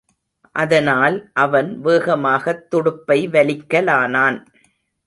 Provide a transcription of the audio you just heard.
அதனால், அவன் வேகமாகத் துடுப்பை வலிக்கலானான்.